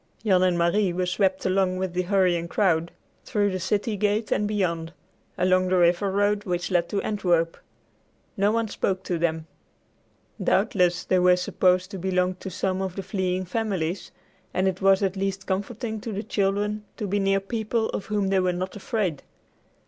Jan and Marie were swept along with the hurrying crowd, through the city gate and beyond, along the river road which led to Antwerp. No one spoke to them. Doubtless they were supposed to belong to some one of the fleeing families, and it was at least comforting to the children to be near people of whom they were not afraid.